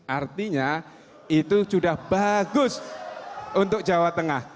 artinya itu sudah bagus untuk jawa tengah